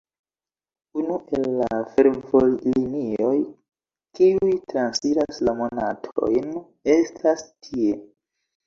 Unu el la fervojlinioj, kiuj transiras la montojn, estas tie.